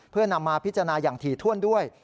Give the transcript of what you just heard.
เพื่อนำมาพิจารณาอย่างถี่ถ้วนด้วย